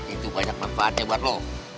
itu banyak manfaatnya buat lo